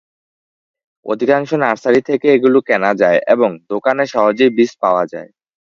অধিকাংশ নার্সারি থেকে এগুলো কেনা যায় এবং দোকানে সহজেই বীজ পাওয়া যায়।